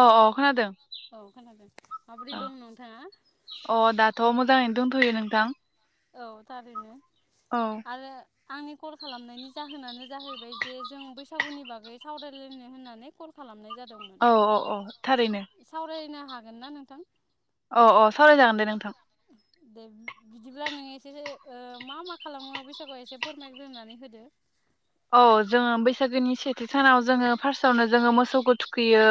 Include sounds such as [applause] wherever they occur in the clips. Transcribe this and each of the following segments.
अ अ खोनादों औ अ दाथ' मोजाङैनो दंथ'यो नों थां औ थारैनो आरो आंनि कल खालामनायनि जाहोनानो जाहैबाय जे जों बैसागुनि बागै सावरायलायनो होननानै कल खालामनाय जादों औ औ औ थारैनो हागोनना नोंथां। अ अ सावरायजागोन दे नोंथां। दे बिदिब्ला नोङो एसे ओ मा मा खालामो बैसागुआव एसे फोरमायग्रोनानै होदो। औ जोङो बैसागोनि सेथि सानाव जोङो फार्स्टआवनो जोङो मोसौखौ थुखैयो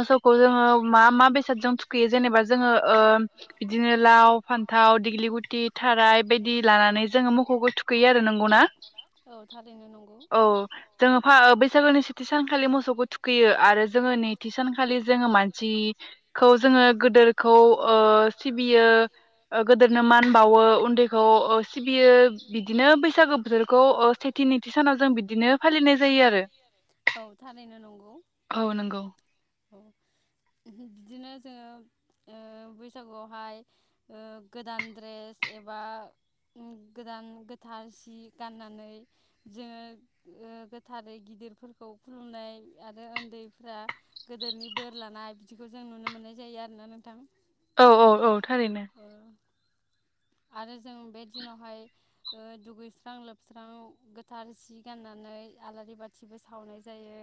मोसौखौ जोङो मा मा बे साथ जों थुखैयो जेनेबा। जोङो ओ बिदिनो लाव फान्थाव दिग्लि गुथि थाराय। बेदि लानानै जोङो मोखौ खौ थुखैयो आरो नोंगौना? औ जोङो फा बैसागोनि सेथि सानखालि मोसौखौ थुखैयो आरो जोङो नैथि सानखालि जोङो मान सि। खौ जोङो गोदोरखौ ओ सिबियो गोदोरनो मान बावो उन्दैखौ ओ सिबियो बिदिनो बैसागो बोथोरखौ ओ सेथिनि थि सानाव जों बिदिनो फालिनाय जायो आरो औ नंगौ। औ ओमहो बिदिनो। जोङो ओ बैसागुआवहाय ओ गोदान ड्रेस एबा ओम गोदान गोथार सि गाननानै जोङो ओ गोथारै गिदिरफोरखौ खुलुमनाय आरो उन्दैफ्रा गोदोरनि बोर लानाय बिदिखौ जों नुनो मोननाय। जायो आरोना नोंथां। औ औ औ थारैनो। आरो जों बे दिनावहाय ओ दुगैस्रां लोबस्रां गोथार सि गाननानै आलारि बाथिबो सावनाय जायो।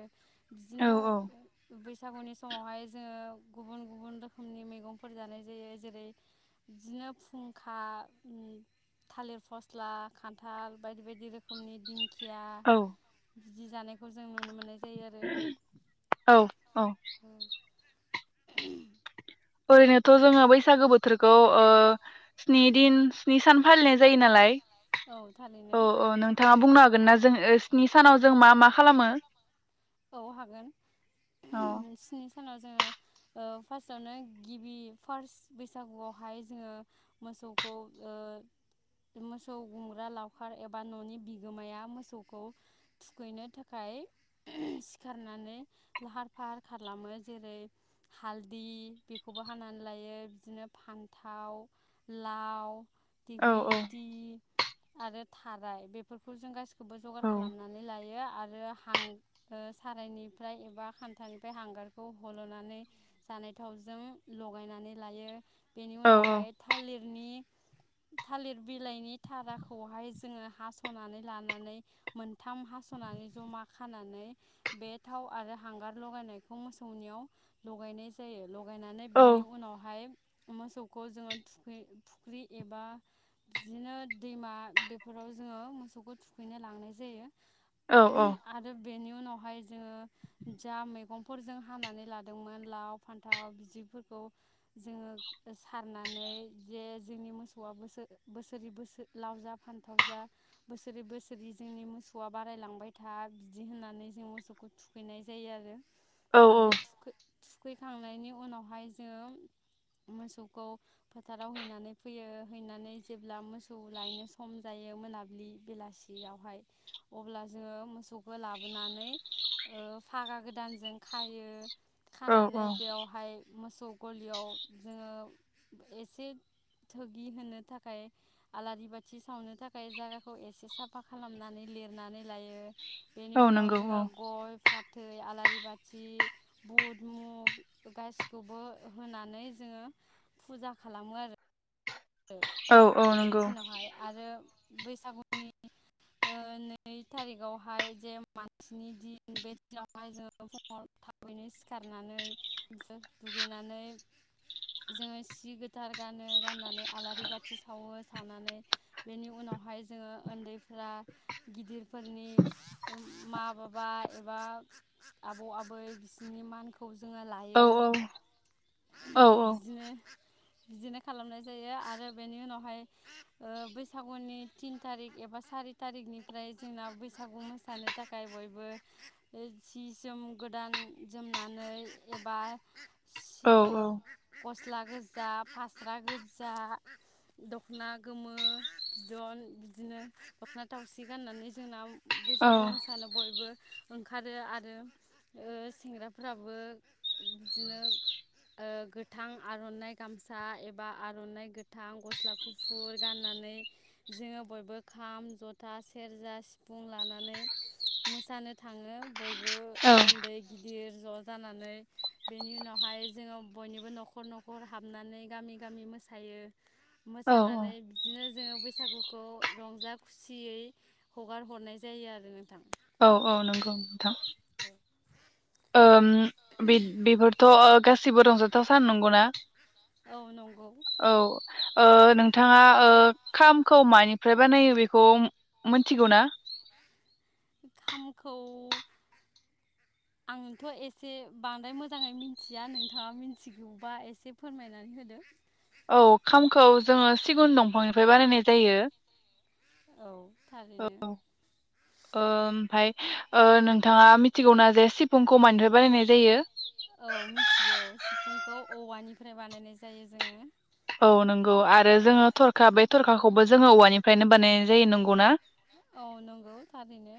बिदिनो बैसा सागुनि समावहाय जोङो गुबुन। गुबुन रोखोमनि मैगंफोर जानाय जायो जेरै बिदिनो फुंखा थालिर फस्ला खान्थाल बायदि बायदि रोखोमनि दिं खिया। बिदि जानायखौ जों नुनो मोननाय। जायो आरो। [unintelligible] ओरैनोथ' जोङो बैसागो बोथोरखौ ओ स्नि दिन स्नि सान फालिनाय जायो नालाय। औ औ नोंथाङा बुंनो हागोन ना जों स्नि सानाव। जों मा मा खालामो। औ हागोन। औ। सानाव जोङो ओ फार्स्टआवनो गिबि फार्स्ट बैसागुआवहाय जोङो मोसौखौ ओ मोसौ गुमग्रा लावखार एबा न'नि बिगोमाया मोसौखौ थुखैनो थाखाय। [unintelligible] सिखारनानै लाहार फाहार खालामो जेरै हालदि बेखौबो हानानै लायो बिदिनो फान्थाव लाव दिगलि लिटि। आरो थाराय बेफोरखौ जों गासि खौबो जगार खालामनानै ला आरो हां। ओ सारायनिफ्राय एबा खान्थानिफ्राय हांगारखौ हल'नानै जानाय थावजों लगायनानै लायो। बेनि उनावहाय थालिरनि। थालिर बिलाइनि धाराखौहाय जोङो हास'नानै लानानै मोनथाम हास'नानै जमा खानानै [unintelligible] बे थाव आरो हांगार लगायनायखौ मोसौनियाव लगायनाय जायो लगायनानै बेनि उनावहाय मोसौखौ जोङो थुखै फुख्रि एबा बिदिनो दैमा बेफोराव जोङो मोसौखौ थुखैनो लांनाय जायो औ औ बेनि उनावहाय जोङो जा मैगंफोरजों हानानै लादोंमोन लाव फान्थाव बिदिफोरखौ जोङो सारनानै जे जोंनि मोसौआ बोसोर बोसोर बोसोर लाव जा फान्थाव जा बोसोरै बोसोरै जोंनि मोसौआ बारायलांबाय था बिदि होनानै जों मोसौखौ थुखैनाय जायो आरो आरो थुखै थुखैखांनायनि उनावहाय जोङो मोसौखौ फोथाराव होनानै फैयो हैनानै जेब्ला मोसौ लायनो सम जायो मोनाबिलि बेलासियावहाय अब्ला जोङो मोसौ बो लाबोनानै ओ फागा गोदानजों खायो। खानानै बेवहाय मोसौ मोसौ गलियाव जोङो एसे थगि होनो थाखाय आलारि बाथि सावनो थाखाय जायगाखौ एसे साफा खालामनानै लिरनानै लायो। बेनि उनाव जोङो गय फाथै फाथै आलारि बाथि बुद मुग गासिखौबो होनानै जोङो फुजा खालामो आरो बेनि दिनावहाय आरो बैसागुनि नै थारिखावहाय जे मानसिनि दिन बे दिनावहाय जोङो फुङाव थाबैनो सिखारनानै दुगैनानै जोङो सि गोथार गानो गाननानै आलारि बाथि सावो सावनानै बेनि उनावहाय जोङो उन्दैफ्रा गिदिरफोरनि मा बाबा एबा आबौ आबै बिसोरनि मानखौ जोङो लायो बिदिनो बिदिनो खालामनाय जायो आरो बेनि उनावहाय बैसागुनि तिन थारिख एबा सारि थारिखनिफ्राय जोंना बैसागु मोसानो थाखाय बयबो जि जोम गोदान जोमनानै एबा [inaudible] ओ गस्ला गोजा फास्रा गोजा जा दख'ना गोमो बिदन बिदिनो दख'ना थावसि गाननानै जोंना बैसागु मोसानो बयबो ओंखारो आरो सेंग्राफोराबो बिदिनो गोथां आर'नाइ गामसा एबा आर'नाइ गोथां गस्ला गुफुर गाननानै जोङो बयबो खाम जथा सेरजा सिफुं लानानै मोसानो थाङो। बयबो उन्दै गिदिर ज' जानानै बेनि उनावहाय जोङो बयनिबो न'खर न'खर हाबनानै गामि गामि मो थायो मोसानानै बिदिनो जोङो बैसागुखौ रंजा खुसियै हगार हरनाय जायो आरो औ औ नंगौ नोंथां ओम बे बेफोरथ' ओ गासिबो रंजाथाव सान नंगौना? [inaudible] औ ओ नोंथाङा ओ खामखौ मानिफ्राय बानायो बेखौ मिथिगौ ना? खामखौ आंथ' एसे बांद्राय मोजाङै मिथिया नोंथाङा मिथिगौबा एसे फोरमायनानै होदो। औ खामखौ जोङो सिगुन दंफांनिफ्राय बानायनाय जायो। औ थारैनो। ओमफाय ओ-नोंथाङा मिथिगौना जे सिफुंखौ मानिफ्राय बानायनाय जायो? औवानिफ्राय बानायनाय जायो जोङो। औ नंगौ आरो जोङो थरखा बे थरखाखौबो जोङो औवानिफ्रायनो बानायनाय जायो नंगौ ना? औ नंगौ थारैनो।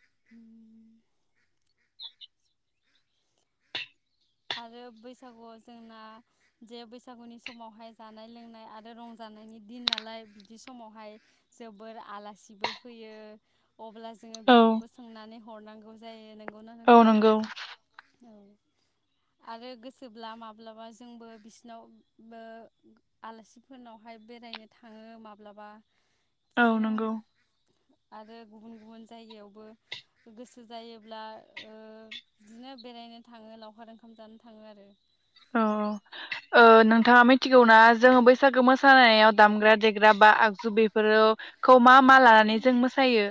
[inaudible] आरो बैसागुआव जोंना जे बैसागुनि समावहाय जानाय लोंनाय आरो रंजानायनि दिन नालाय बिदि समावहाय जोबोर आलासिबो फैयो। अब्ला जोङो बेखौबो सोंनानै। हरनांगौ जायो नों। गौना नोंथां? औ नंगौ औ। आरो गोसोब्ला माब्लाबा जोंबो बिसिनाव ओ- आलासिफोरनावहाय बेरायनो थाङो माब्लाबा। औ नंगौ। आरो गुबुन गुबुन जायगायावबो गोसो जायोब्ला ओ- बिदिनो बेरायनो थाङो लावखार ओंख खाम जानो थाङो आरो। औ औ। ओ-नोंथाङा मिथिगौना जोङो बैसागो मोसानायाव। दामग्रा देग्रा बा आगजु बेफोरखौ मा मा लानानै जों मोसायो?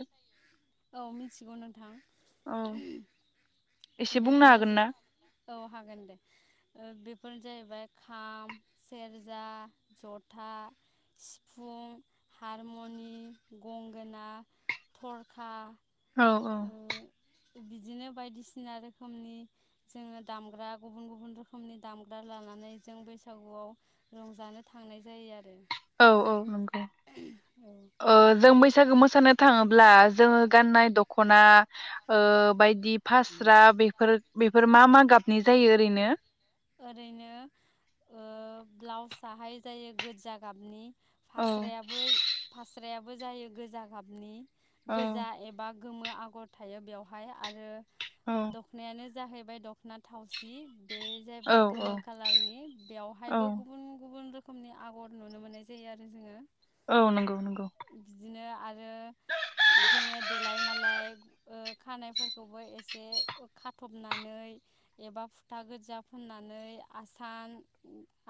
औ मिथिगौ नोंथां। बेफोरनो जो-औ हागोन दे ओ बेब बेफोरनो जाहैबाय खाम सेरजा जथा सिफुं हारम'नि गंगोना थर। खा। औ औ। बिदिनो बायदिसिना रोखोमनि जोङो दामग्रा गुबुन गुबुन रोखोमनि दामग्रा लानानै जों बैसागुआव रंजानो थांनाय जायो आरो। औ औ नंगौ ओ जों बैसागो मोसानो थाङोब्ला। जोङो गाननाय दख'ना ओ- बायदि फास्रा बेफोर बेफोर मा मा गाबनि जायो ओरैनो? ओरैनो ओ-ब्लाउसाहाय जायो गोजा गाबनि। फास्रायाबो फास याबो जायो गोजा गाबनि। गोजा एबा। गोमो आगर थायो बेवहाय आरो। दख'नायानो। जाहैबाय दख'ना थावसि बे। जाय गोमो खालारनि बेवहायबो गुबुन गुबुन रोख रोखोमनि आगर नुनो मोननाय जायो आरो जोङो। औ नंगौ नंगौ। बिदिनो आरो जोङो देलाय मालाय ओ खानायफोरखौबो एसे खाथबनानै एबा फुथा गोजा फुननानै आसान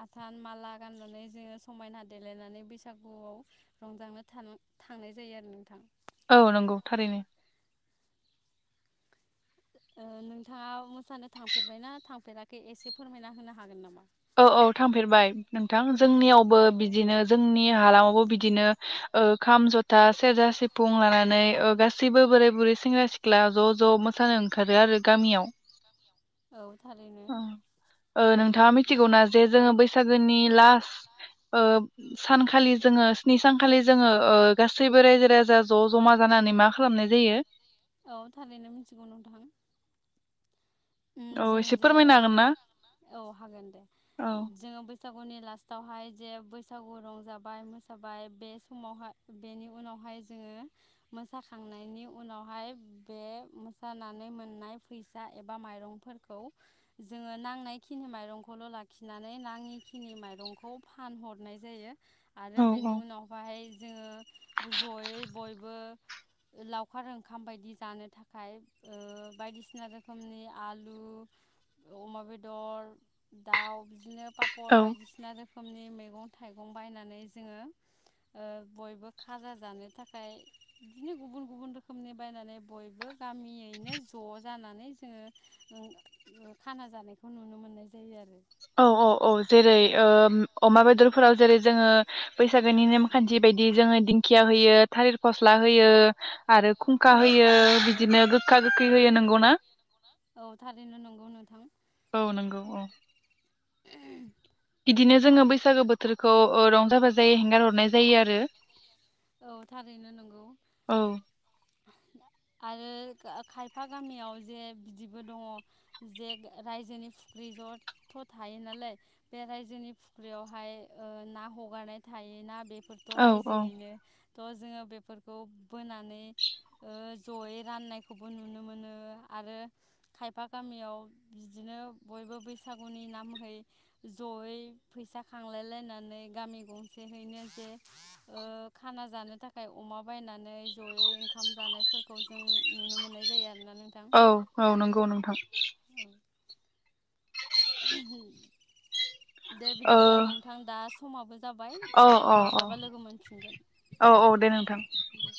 आसान माला गाननानै जोङो समायना देलायनानै बैसागुआव रंजानो थां थांनाय जायो आरो नोंथां। औ नंगौ थारैनो ओ नोंथाङा मोसानो थांफेरबायना थांफेराखै एसे फोरमायना होनो हागोन नामा? औ औ थांफेरबाय नोंथां जोंनियावबो बिदिनो जोंनि हालामावबो बिदिनो ओ खाम जथा सेरजा सिफुं लानानै ओ गासैबो बोराय बुरै सेंग्रा सिख्ला ज' ज' मोसानो ओंखारो आरो गामियाव ओं नोंथाङा मि जे जोङो बैसागोनि लास ओ सानखालि जोङो स्नि सानखालि जोङो गासैबो रायजो राजा ज' ज'मा जानानै मा खालामनाय जायो? औ थारैनो मिथिगौ नोंथां उम जों जे औ हागोन दे जोङो बै बैसागुनि लास्टाआवहाय जे बैसागु रंजाबाय मोसाबाय बे समावहाय बेनि उनावहाय जोङो मोसाखांनायनि उनावहाय बे मोसानानै मोननाय फैसा ए बा माइरंफोरखौ जोङो नांनायखिनि माइरंखौल' लाखिनानै नाङिखिनि माइरंखौ फानहरनाय जायो। आरो बेनि उनावहाय जोङो जयै बयबो लावखार ओंखाम बायदि जानो थाखाय ओ बायदिसिना रोखोम रोखोमनि आलु अमा बेदर दाउ बिदिनो पापर बायदिसिना आरो रोखोमनि मैगं थाइगं बायनानै जोङो ओ बयबो खाजा जानो थाखाय बिदिनो गुबुन गुबुन रोखोमनि बायनानै बयबो गामियैनो ज' जानानै। जोङो खाना जानायखौ नुनो मोननाय जायो आरो। औ औ औ जेरै ओ अमा बेदरफोराव जेरै जोङो बैसागोनि नेम खान्थि बायदि जोङो दिंखिया होयो थालिर फस्ला होयो आरो खुंखा होयो बिदिनो गोखा गोखै होयो नों गौना औ थारैनो नंगौ नोंथां। औ नंगौ औ। बिदिनो जोङो बैसागो बोथोरखौ खौ ओ रंजा बाजायै हेंगार हरनाय जायो आरो। औ थारैनो नंगौ। आरो खायफा गामियाव जे बिदिबो दङ जे रायजोनि फुख्रि जथ' थायो नालाय बे रायजोनि फुख्रियावहाय ओ ना हगारनाय थायोना बे फोरथ' रायजोयैनो। थ' जोङो बेफोरखौ बोनानै ओ जयै राननायखौबो नुनो मोनो आरो खायफा गामियाव बिदिनो बयबो बैसागुनि नामै जयै फैसा खांलायलायनानै गामि गंसेहैनो जे ओ खाना जानो थाखाय अमा बायनानै जयै ओंखाम जानायफोरखौ। जों नुनो मोननाय जायो। औ औ नंगौ नोंथां। औ ह। दे बिदिब्ला नोंथां दास समाबो जाबाय जों माब्लाबा लोगो मोनफिनगोन औ।